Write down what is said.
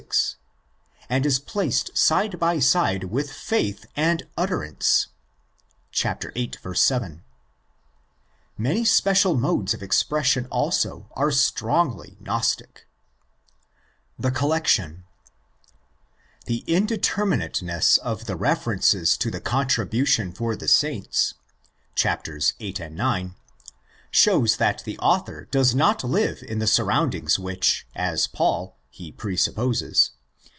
6), and is placed side by side with faith and 'utterance' (πίστει καὶ λόγῳ καὶ γνώσει, Vill. 7). THE SECOND EPISTLE 211 Many special modes of expression also are strongly Gnostic.! The Collection. The indeterminateness of the references to the contribution for the saints (cc. viil.—ix.) shows that the author does not live in the surroundings which, as Paul, he presupposes.